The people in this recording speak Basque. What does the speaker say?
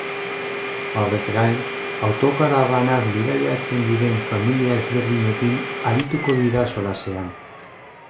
Horrez gain, autokarabanaz bidaiatzen diren familia ezberdinekin arituko dira solasean.